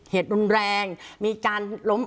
เหตุรุนแรงมีการล้ม